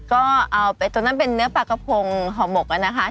ก็เอาไปตรงนั้นเป็นเนื้อปลากระพงห่อหมกอะนะคะ